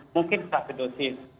mungkin satu dosis